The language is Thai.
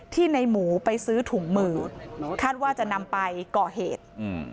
ในหมูไปซื้อถุงมือคาดว่าจะนำไปก่อเหตุอืม